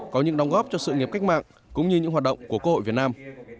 có những đóng góp cho sự nghiệp cách mạng cũng như những hoạt động của quốc hội việt nam